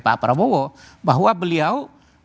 pak prabowo bahwa beliau